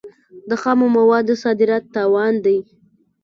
د خامو موادو صادرات تاوان دی.